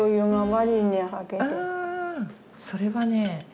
それはね